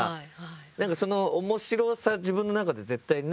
何かその面白さ自分の中で絶対ね